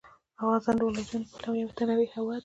افغانستان د ولایتونو له پلوه یو متنوع هېواد دی.